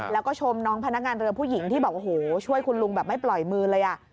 แล้วก็ชมน้องพนักงานเรือผู้หญิงที่แบบโอ้โหช่วยคุณลุงแบบไม่ปล่อยมือเลย